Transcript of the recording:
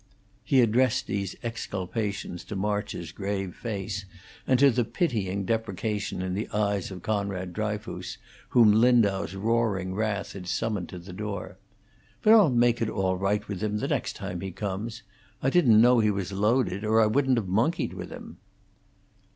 He addressed these exculpations to March's grave face, and to the pitying deprecation in the eyes of Conrad Dryfoos, whom Lindau's roaring wrath had summoned to the door. "But I'll make it all right with him the next time he comes. I didn't know he was loaded, or I wouldn't have monkeyed with him."